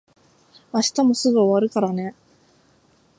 明日もすぐ終わるからね。